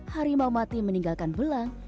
harimau mati meninggalkan belang